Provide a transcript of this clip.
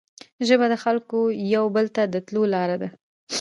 ژبه د خلګو یو بل ته د تلو لاره ده